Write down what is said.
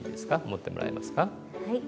持ってもらえますか？